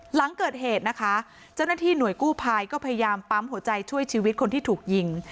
หลังเกิดเหตุนะคะเจ้าหน้าที่หน่วยกู้ภัยก็พยายามปั๊มหัวใจช่วยชีวิตคนที่ถูกยิง